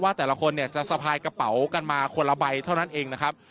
แต่ละคนเนี่ยจะสะพายกระเป๋ากันมาคนละใบเท่านั้นเองนะครับ